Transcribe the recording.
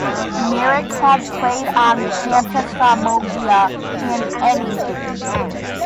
Merrick had played on "Phantasmagoria" and "Anything".